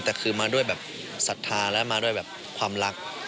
แต่คือมาด้วยสัทธาและมาด้วยความรัก